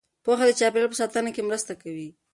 پوهه د چاپیریال په ساتنه کې مرسته کوي.